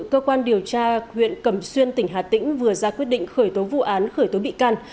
cơ quan điều tra huyện cầm xuyên tỉnh hà tĩnh vừa ra quyết định khởi tố vụ án khởi tố bị can